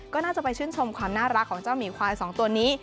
ก็น่าจะไปชื่นชมความน่ารักของเจ้าหมีควาย๒ตัวนี้